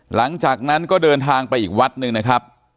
หลังจากนั้นก็เดินทางไปอีกวัดหนึ่งนะครับ